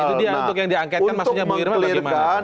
nah untuk mengkelirkan